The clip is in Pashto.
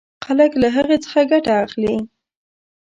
خلک له هغې څخه ګټه اخلي.